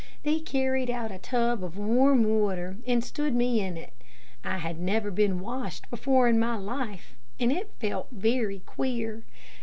They carried out a tub of warm water and stood me in it. I had never been washed before in my life, and it felt very queer.